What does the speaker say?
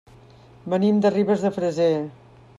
Venim de Ribes de Freser.